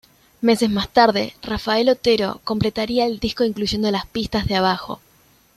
Meses más tarde, Rafael Otero completaría el disco incluyendo las pistas de bajo.